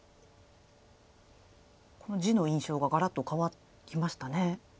この地の印象がガラッと変わってきましたね。